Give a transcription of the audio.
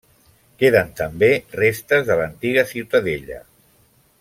Queden també restes de l'antiga ciutadella.